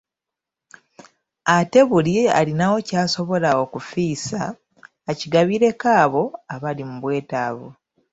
Ate buli alinawo ky'asobola okufissa akigabireko abo abali mu bwetaavu.